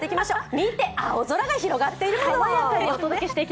見て、青空が広がっているもの。